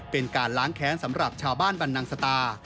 เป็นการล้างแค้นสำหรับชาวบ้านบรรนังสตา